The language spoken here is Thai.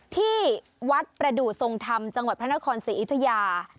ที่วัดประดูกทรงธรรมจังหวัดพระนครศรีอยุธยา